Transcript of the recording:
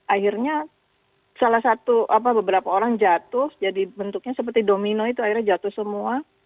akhirnya salah satu beberapa orang jatuh jadi bentuknya seperti domino itu akhirnya jatuh semua